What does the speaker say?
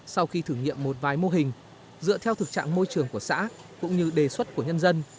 sau khi thử nghiệm một vài mô hình dựa theo thực trạng môi trường của xã cũng như đề xuất của nhân dân